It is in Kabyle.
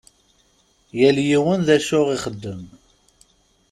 Yal yiwen d acu ixeddem.